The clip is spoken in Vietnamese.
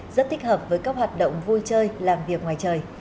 rất thích hợp với các hoạt động vui chơi làm việc ngoài trời